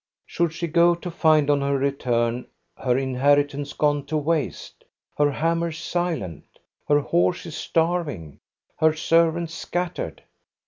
Should she go to find on her return her inheritance gone to waste, her hammers silent, her horses starv ing, her servants scattered